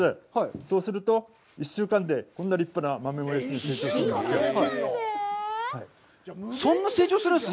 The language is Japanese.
そうすると、１週間でこんな立派な豆もやしができるんです。